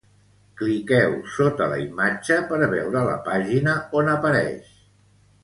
Cliqueu sota la imatge per veure la pàgina on apareix.